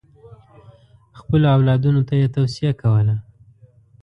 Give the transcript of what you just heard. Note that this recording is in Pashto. خپلو اولادونو ته یې توصیه کوله.